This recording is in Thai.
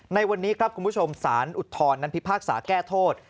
ในวันนี้ครับคุณผู้ชมสารอุทธรณนั้นพิพากษาแก้โทษ